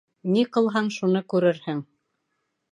Ни ҡылһаң, шуны күрерһең.